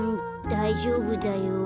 だいじょうぶだよ。